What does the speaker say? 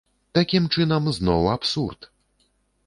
Такім чынам, зноў абсурд!